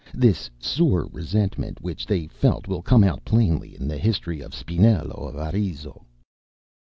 This sore resentment which they felt will come out plainly in the history of Spinello of Arezzo.